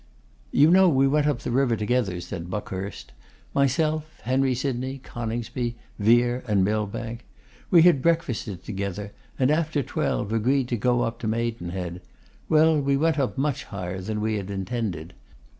'You know we went up the river together,' said Buckhurst. 'Myself, Henry Sydney, Coningsby, Vere, and Millbank. We had breakfasted together, and after twelve agreed to go up to Maidenhead. Well, we went up much higher than we had intended.